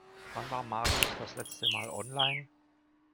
Wann war Marius das letzte Mal online?